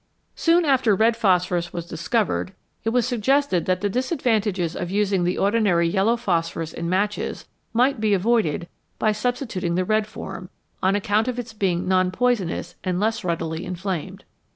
Soon after red phosphorus was discovered, it was sug gested that the disadvantages of using the ordinary yellow phosphorus in matches might be avoided by substituting the red form, on account of its being non poisonous and less readily inflamed.